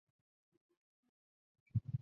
流浪者校园讲座